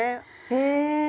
へえ。